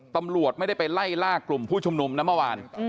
ตำรวจไม่ได้ไปไล่ล่ากลุ่มผู้ชุมนุมนะเมื่อวาน